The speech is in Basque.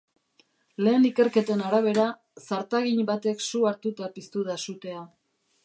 Lehen ikerketen arabera, zartagin batek su hartuta piztu da sutea.